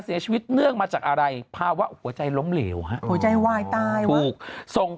เสียชีวิตเนื่องมาจากอะไรภาวะหัวใจล้มเหลวหัวใจวายตายส่ง